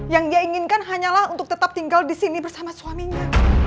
yang dia inginkan hanyalah untuk tetap tinggal di sini bersama suaminya